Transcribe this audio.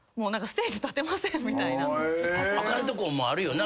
あかんとこもあるよな。